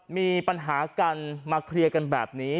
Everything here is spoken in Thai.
มีปัญหากันมาเคลียร์กันแบบนี้